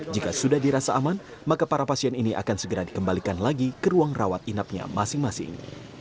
jika sudah dirasa aman maka para pasien ini akan segera dikembalikan lagi ke ruang rawat inapnya masing masing